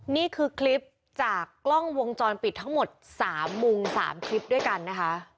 นี่คือคลิปจากกล้องวงจรปิดทั้งหมด๓มุม๓คลิปด้วยกันนะคะ